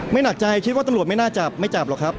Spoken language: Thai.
หนักใจคิดว่าตำรวจไม่น่าจับไม่จับหรอกครับ